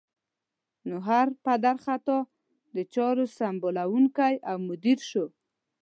نو هر پدر خطا د چارو سمبالوونکی او مدیر شو.